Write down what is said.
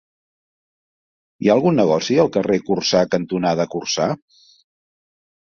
Hi ha algun negoci al carrer Corçà cantonada Corçà?